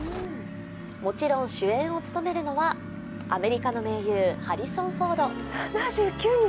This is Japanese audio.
もちろん主演を務めるのはアメリカの名優ハリソン・フォード。